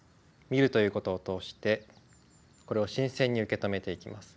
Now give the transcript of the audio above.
見るということを通してこれを新鮮に受け止めていきます。